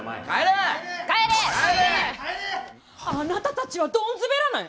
あなたたちはドンズベらない。